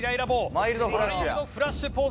マイルドフラッシュや。